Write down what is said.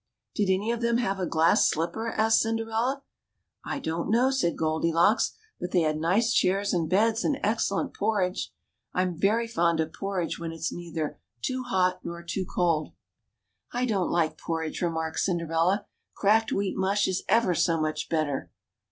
Did any of them have a glass slipper?" asked Cinderella. I don't know," said Goldilocks; ^^but they had nice chairs and beds, and excellent porridge. I'm very fond of porridge when it's neither too hot nor too cold." don't like porridge," remarked Cinderella; cracked wheat mush is ever so much better."